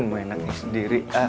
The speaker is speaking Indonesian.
mau enaknya sendiri